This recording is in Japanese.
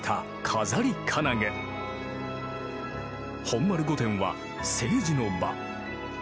本丸御殿は政治の場。